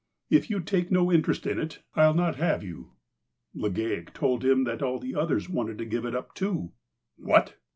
If you take no interest in it, I'll not have you." Legale told him that all the others wanted to give it up too. "What!"